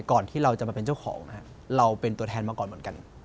ที่เราจะมาเป็นเจ้าของนะครับเราเป็นตัวแทนมาก่อนเหมือนกัน